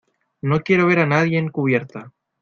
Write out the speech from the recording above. no quiero ver a nadie en cubierta.